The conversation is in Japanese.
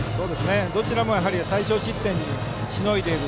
どちらも最少失点でしのいでいる。